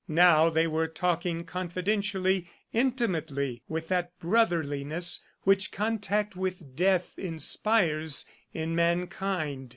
Now they were talking confidentially, intimately, with that brotherliness which contact with death inspires in mankind.